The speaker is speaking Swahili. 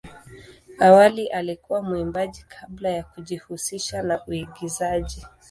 Awali alikuwa mwimbaji kabla ya kujihusisha na uigizaji.